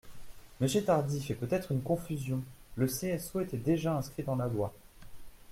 Monsieur Tardy fait peut-être une confusion : le CSO était déjà inscrit dans la loi.